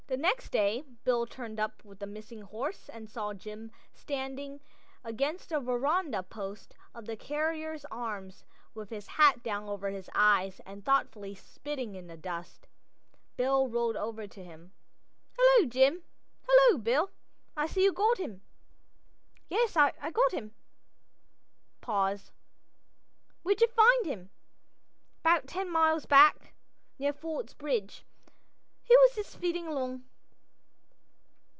Next day Bill turned up with the missing horse and saw Jim standing against a veranda post of the Carriers' Arms, with his hat down over his eyes, and thoughtfully spitting in the dust. Bill rode over to him. "'Ullo, Jim." "'Ullo, Bill. I see you got him." "Yes, I got him." Pause. "Where'd yer find him?" "'Bout ten mile back. Near Ford's Bridge. He was just feedin' along."